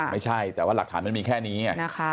ไม่ใช่แต่ว่าหลักฐานมันมีแค่นี้